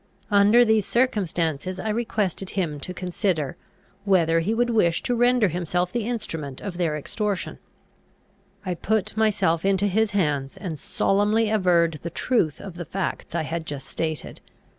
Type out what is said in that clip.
Under these circumstances, I requested him to consider, whether he would wish to render himself the instrument of their extortion. I put myself into his hands, and solemnly averred the truth of the facts I had just stated.